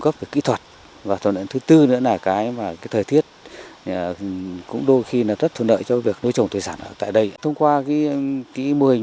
các mô hình nuôi trồng thủy sản